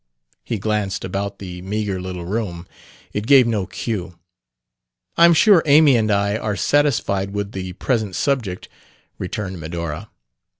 He glanced about the meagre little room. It gave no cue. "I'm sure Amy and I are satisfied with the present subject," returned Medora.